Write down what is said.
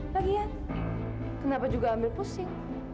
bagian kenapa juga ambil pusing